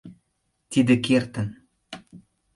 Тиде кертын.